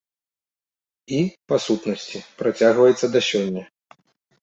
І, па сутнасці, працягваецца да сёння.